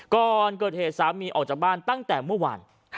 ก่อนเกิดเหตุสามีออกจากบ้านตั้งแต่เมื่อวาน